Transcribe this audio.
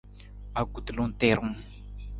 Akutulung tiirung.